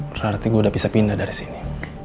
berarti gue udah bisa pindah dari sini